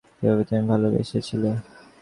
যেভাবে তুমি ভালবেসেছিলে।